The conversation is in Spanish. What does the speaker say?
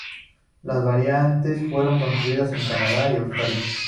Las variantes fueron construidas en Canadá y Australia.